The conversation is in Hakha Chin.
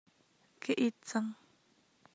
Ka it cang.